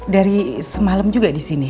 dari semalam juga disini ya